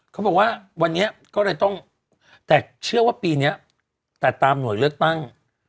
เขาบอกว่าวันนี้ก็เลยต้องแต่เชื่อว่าปีนี้แต่ตามหน่วยเลือกตั้ง